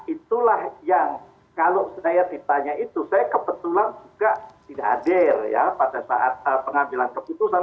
itulah yang kalau saya ditanya itu saya kebetulan juga tidak hadir ya pada saat pengambilan keputusan